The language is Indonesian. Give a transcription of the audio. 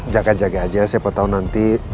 jaga jaga aja siapa tahu nanti